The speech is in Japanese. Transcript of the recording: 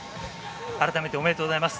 改めておめでとうございます。